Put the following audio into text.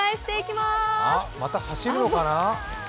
また走るのかな？